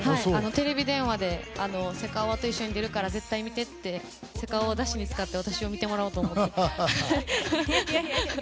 テレビ電話でセカオワと一緒に出るから絶対見てってセカオワをだしに使って私を見てもらおうと思って。